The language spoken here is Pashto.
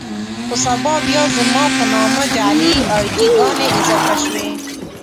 خو سبا بيا زما په نامه جعلي اې ډي ګانې اضافه شوې.